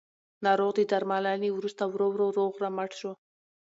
ناروغ د درملنې وروسته ورو ورو روغ رمټ شو